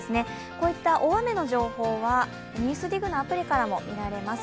こういった大雨の情報は「ＮＥＷＳＤＩＧ」のアプリからも見られます。